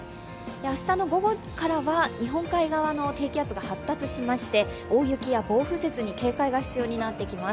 明日の午後からは日本海側の低気圧が発達しまして、大雪や暴風雪に警戒が必要になってきます。